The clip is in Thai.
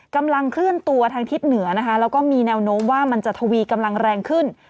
กำลังเคลื่อนตัวทางทิศเหนือนะคะแล้วก็มีแนวโน้มว่ามันจะทวีกำลังแรงขึ้น